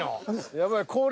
やばい。